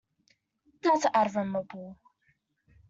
That's admirable